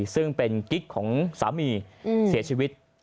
ซึ่งเป็นกิ๊กของสามีเสียชีวิต